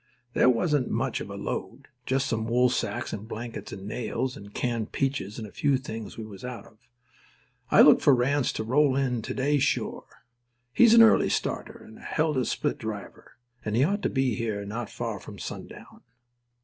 There wa'n't much of a load—just some woolsacks and blankets and nails and canned peaches and a few things we was out of. I look for Ranse to roll in to day sure. He's an early starter and a hell to split driver, and he ought to be here not far from sundown."